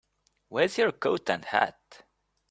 Where's your coat and hat?